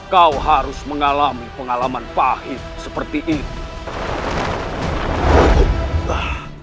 kau harus mengalami pengalaman pahit seperti itu